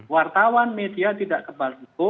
wartawan media tidak kebal itu